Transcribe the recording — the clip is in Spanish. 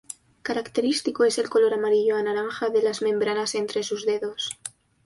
Característico es el color amarillo a naranja de las membranas entre sus dedos.